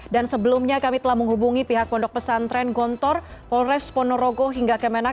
dan sebelumnya kami telah menghubungi pihak pondok pesantren gontor polres ponorogo hingga kemenak